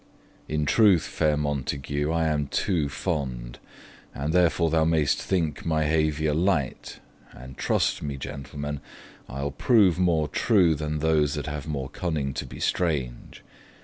In truth, fair Montague, I am too fond; And therefore thou may'st think my 'haviour light; But trust me, gentleman, I'll prove more true Than those that have more cunning to be strange.